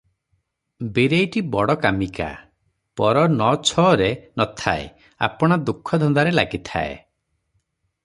ବୀରେଇଟି ବଡ କାମିକା, ପର ନ-ଛରେ ନ ଥାଏ, ଆପଣା ଦୁଃଖ ଧନ୍ଦାରେ ଲାଗିଥାଏ ।